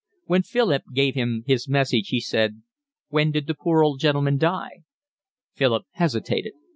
When Philip gave him his message, he said: "When did the poor old gentleman die?" Philip hesitated.